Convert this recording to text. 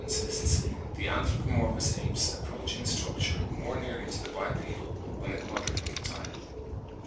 insists, the anthropomorphous apes approach in structure more nearly to the bipedal than to the quadrupedal type.